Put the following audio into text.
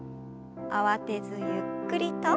慌てずゆっくりと。